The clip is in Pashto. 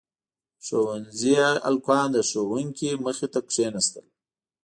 • د ښونځي هلکان د ښوونکي مخې ته کښېناستل.